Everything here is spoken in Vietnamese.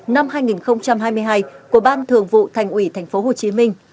năm hai nghìn hai mươi hai của ban thường vụ thành ủy tp hcm